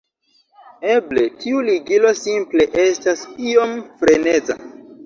Eble tiu ligilo simple estas iom freneza"